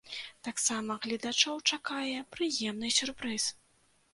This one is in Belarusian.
Таксама гледачоў чакае прыемны сюрпрыз.